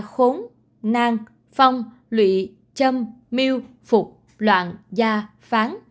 khốn nang phong lụy châm miêu phục loạn gia phán